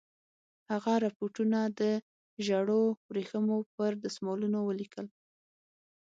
هغه رپوټونه د ژړو ورېښمو پر دسمالونو ولیکل.